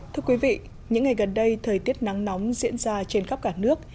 thưa quý vị những ngày gần đây thời tiết nắng nóng diễn ra trên khắp cả nước